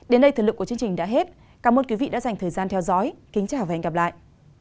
đến đây thời lượng của chương trình đã hết cảm ơn quý vị đã dành thời gian theo dõi kính chào và hẹn gặp lại